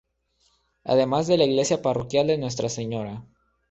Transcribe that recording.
Además de la iglesia parroquial de N.ª Sra.